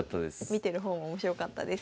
見てる方も面白かったです。